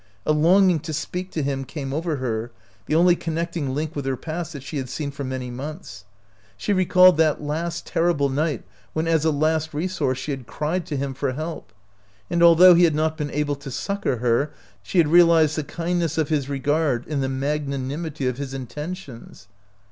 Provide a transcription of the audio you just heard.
A longing to speak to him came over her — the only connecting link with her past that she had seen for many months. She recalled that 78 OUT OF BOHEMIA last terrible night when as a last resource she had cried to him for help ; and although he had not been able to succor her, she had realized the kindness of his regard and the magnanimity of his intentions.